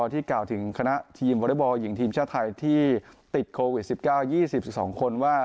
ที่กล่าวถึงคณะทีมวอเตอร์บอลหญิงทีมชาติไทยที่ติดโควิด๑๙ยี่สิบสองคนว่า